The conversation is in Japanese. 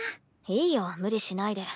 いいよ無理しないで。